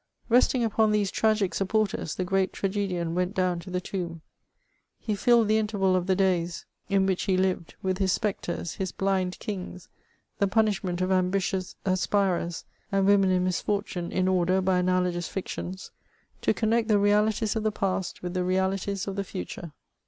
Resting upon these tragic supporters, the great tragedian went down to the tomb. He filled the interval of the days in which he lived with his spectres, his blind kings, the punishment of ambitious aspirers, and women in misfortune, in order, by analogous fictions, to connect the realities of the past witn the realities of the future.